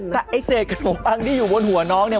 แต่ขนมปังที่อยู่บนหัวน้องนี่